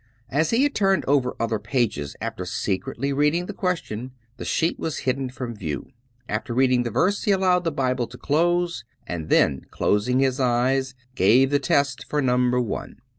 As he had turned over other pages after secretly reading the question, the sheet was hidden from view. After read ing the v^rse he allowed the Bible to close, and then clos ing his eyes gave the test for number one.